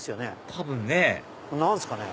多分ね何すかね？